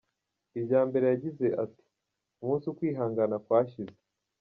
-Irya mbere yagize ati umunsi ukwihangana kwashize!